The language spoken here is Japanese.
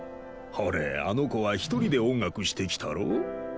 ほれあの子は一人で音楽してきたろ？